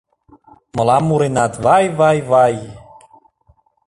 Мылам муренат: «Вай-вай-вай!»